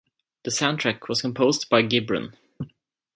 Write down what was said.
The soundtrack was composed by Ghibran.